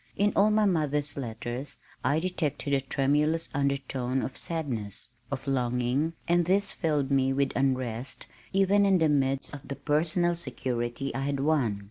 In all my mother's letters I detected a tremulous undertone of sadness, of longing, and this filled me with unrest even in the midst of the personal security I had won.